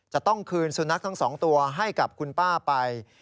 จะต้องคืนสุนัขทั้ง๒ตัวให้กับคุณป้าไป